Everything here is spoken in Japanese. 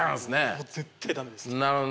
もう絶対駄目です。